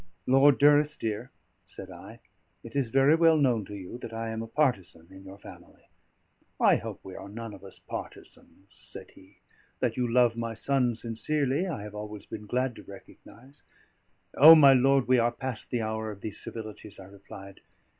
"Lord Durrisdeer," said I, "it is very well known to you that I am a partisan in your family." "I hope we are none of us partisans," said he. "That you love my son sincerely, I have always been glad to recognise." "O! my lord, we are past the hour of these civilities," I replied.